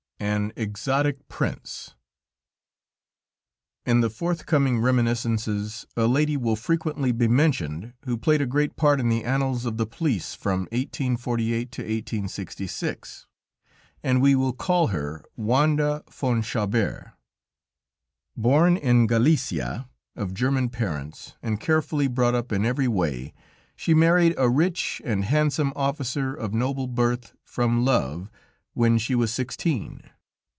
AN EXOTIC PRINCE In the forthcoming reminiscences, a lady will frequently be mentioned who played a great part in the annals of the police from 1848 to 1866, and we will call her Wanda von Chabert. Born in Galicia of German parents, and carefully brought up in every way, she married a rich and handsome officer of noble birth, from love, when she was sixteen.